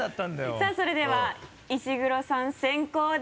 さぁそれでは石黒さん先攻で。